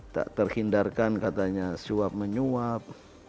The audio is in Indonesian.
tak terhindarkan katanya suap menyuap